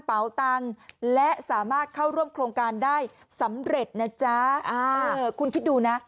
เป๋าตังค์และสามารถเข้าร่วมโครงการได้สำเร็จนะจ๊ะอ่าคุณคิดดูนะ